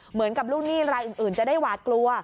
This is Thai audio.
เหมือนกับลูกหนี้รายอื่นจะได้หวาดกลัว